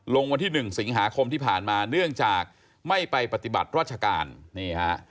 ลงวันที่๑สิงหาคมที่ผ่านมาเนื่องจากไม่ไปปฏิบัติราชการนี่ฮะ